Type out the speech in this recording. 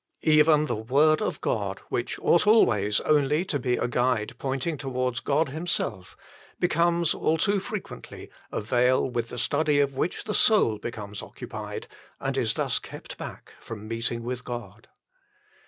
Even the Word of God which ought always only to be a guide pointing towards God Himself becomes all too frequently a veil with the study of which the soul becomes occupied, and is thus kept back from meeting with God.